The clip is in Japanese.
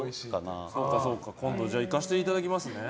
今度、行かせていただきますね。